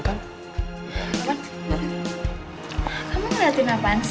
kamu ngeliatin apaan sih